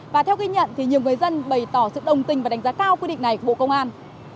và theo ghi nhận thì nhiều người dân bày tỏ sự đồng tình và đánh giá cao quy định này của bộ công an